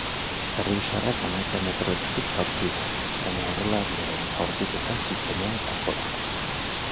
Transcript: Errioxarrak hamaika metroetatik jaurti du, baina aurrelariaren jaurtiketa zuzenean kanpora joan da.